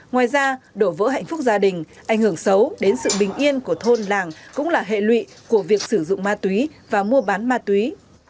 ngoài ra đổ vỡ hạnh phúc gia đình ảnh hưởng xấu đến sự bình yên của thôn làng cũng là hệ lụy của việc sử dụng ma túy và mua bán ma túy